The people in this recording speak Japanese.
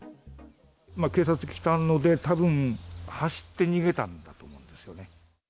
警察来たので、たぶん、走って逃げたんだと思うんですよね。